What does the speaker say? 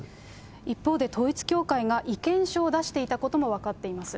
一方で統一教会が意見書を出していたことも分かっています。